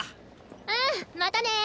うんまたね！